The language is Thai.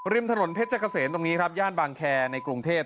ริมถนนเพชรกระเสนตรงนี้ครับย่านบางแคร์ในกรุงเทพฯ